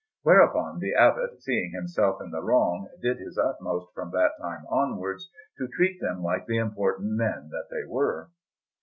Whereupon the Abbot, seeing himself in the wrong, did his utmost from that time onwards to treat them like the important men that they were.